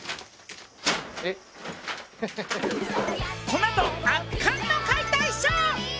このあと圧巻の解体ショー！